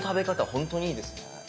本当にいいですね。